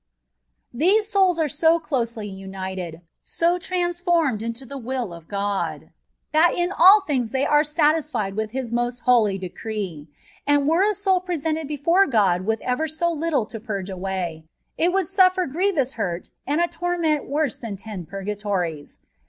These sonls are so closelj nnìted, so transformed into the will of God, that in ali things they are satisfied with His most holy decree; and were a soni presented before Gk>d with ever so little to purge away, it would suffer grievous hurt and a torment worse than ten purgatories.